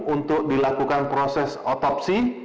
untuk dilakukan proses otopsi